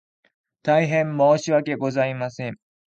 大変申し訳ございません